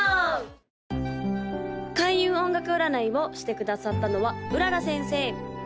・開運音楽占いをしてくださったのは麗先生